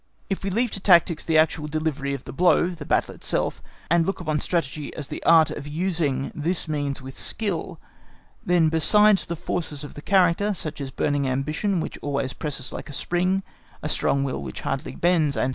If we leave to tactics the actual delivery of the blow, the battle itself, and look upon Strategy as the art of using this means with skill, then besides the forces of the character, such as burning ambition which always presses like a spring, a strong will which hardly bends &c.